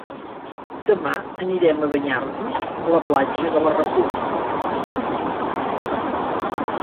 Demà anirem a banyar-nos a la platja de la República.